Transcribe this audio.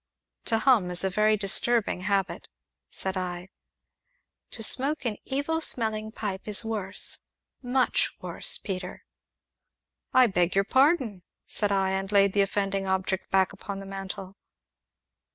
"To hum is a very disturbing habit!" said I. "To smoke an evil smelling pipe is worse much worse, Peter!" "I beg your pardon!" said I, and laid the offending object back upon the mantel.